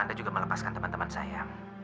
anda juga melepaskan teman teman saya